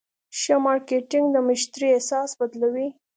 ښه مارکېټنګ د مشتری احساس بدلوي.